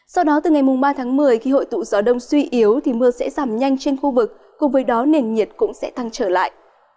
trong cơn rông mưa sẽ giảm nhanh trên khu vực cùng với đó nền nhiệt cũng sẽ thăng trở lại